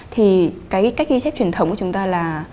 thì cái cách ghi chép truyền thống của chúng ta là